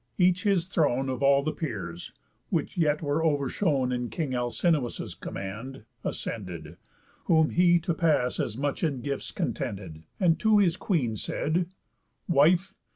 Each his throne Of all the peers (which yet were overshone In king Alcinous' command) ascended; Whom he to pass as much in gifts contended, And to his queen said: "Wife!